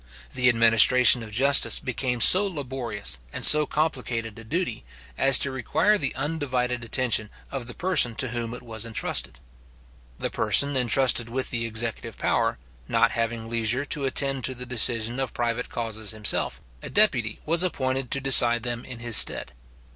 The administration of justice became so laborious and so complicated a duty, as to require the undivided attention of the person to whom it was entrusted. The person entrusted with the executive power, not having leisure to attend to the decision of private causes himself, a deputy was appointed to decide them in his stead.